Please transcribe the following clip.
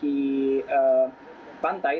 tidak memiliki pantai